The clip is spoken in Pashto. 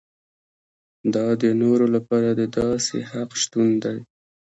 دا د نورو لپاره د داسې حق شتون دی.